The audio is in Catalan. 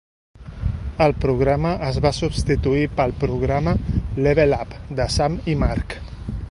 El programa es va substituir pel programa "Level Up" de Sam i Mark.